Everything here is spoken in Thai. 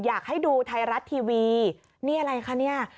อยากให้ดูไทยรัฐทีวีนี่อะไรคะเนี่ย